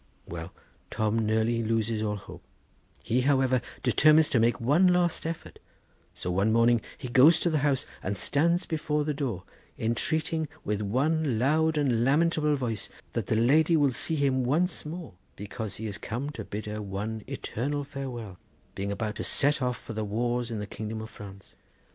Well, Tom nearly loses all hope; he, however, determines to make one last effort; so one morning he goes to the house and stands before the door, entreating with one loud and lamentable voice that the lady will see him once more, because he is come to bid her one eternal farewell, being about to set off for the wars in the kingdom of France.